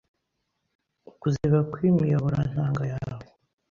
Kuziba kw’imiyoborantanga yawe